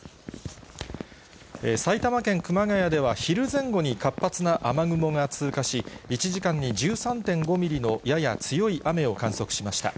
埼玉県熊谷では、昼前後に活発な雨雲が通過し、１時間に１３．５ミリのやや強い雨を観測しました。